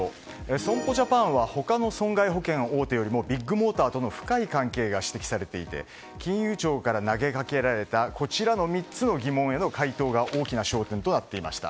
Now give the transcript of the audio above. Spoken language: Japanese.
損保ジャパンは他の損害保険大手よりもビッグモーターとの深い関係が指摘されていて金融庁から投げかけられたこちらの３つの質問の回答が大きな焦点となっていました。